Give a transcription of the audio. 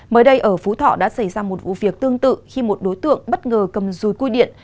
mới đây ở phú thọ đã xảy ra một vụ việc tương tự khi một đối tượng bất ngờ cầm dùi cui điện